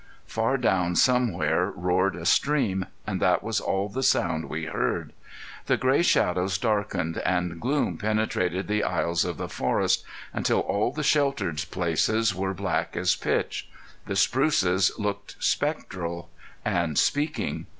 Far down somewhere roared a stream, and that was all the sound we heard. The gray shadows darkened and gloom penetrated the aisles of the forest, until all the sheltered places were black as pitch. The spruces looked spectral and speaking.